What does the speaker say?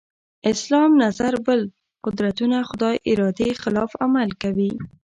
اسلام نظر بل قدرتونه خدای ارادې خلاف عمل کوي.